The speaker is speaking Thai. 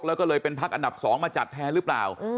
แล้วก็เลยเป็นพักอันดับ๒มาจัดแทนหรือเปล่า